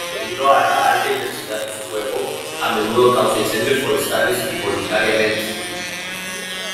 Debido a la alta intensidad de su fuego, a menudo causa incendios forestales involuntariamente.